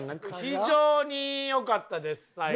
非常に良かったです最後は。